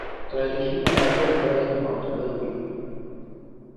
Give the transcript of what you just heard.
تاریخي منابع باید معتبر وي.